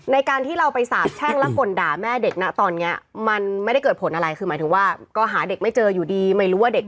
ในการที่เราไปสาปแช่งแล้วกดด่าแม่เด็ก